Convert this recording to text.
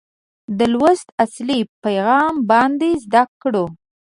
د لوست اصلي پیغام باید زده کړو.